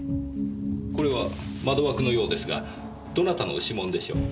これは窓枠のようですがどなたの指紋でしょう？